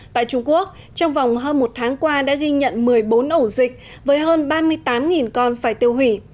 tại trung quốc trong vòng hơn một tháng qua đã ghi nhận một mươi bốn ổ dịch với hơn ba mươi tám con phải tiêu hủy